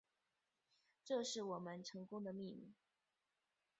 这是我们成功的秘密